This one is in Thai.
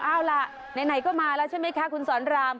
เอาล่ะไหนก็มาแล้วใช่ไหมคะคุณสอนราม